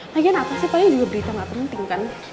lagian apa sih paling juga berita gak penting kan